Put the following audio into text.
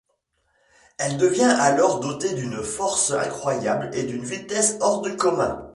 Elle devient alors dotée d’une force incroyable et d’une vitesse hors du commun.